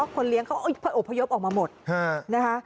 คนเลี้ยงเขาก็อบพยพออกมาหมดนะคะ